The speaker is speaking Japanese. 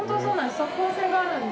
即効性があるんで。